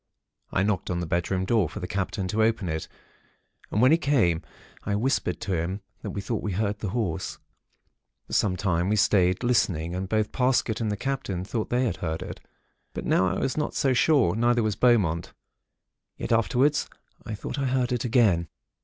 I knocked on the bedroom door, for the Captain to open it, and when he came, I whispered to him that we thought we heard the Horse. For some time we stayed, listening, and both Parsket and the Captain thought they heard it; but now I was not so sure, neither was Beaumont. Yet afterwards, I thought I heard it again.